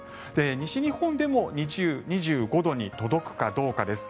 西日本でも２５度に届くかどうかです。